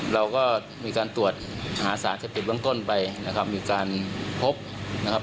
เราก็มีการตรวจหาศาสตร์เฉพาะต้นต้นไปนะครับมีการพบนะครับ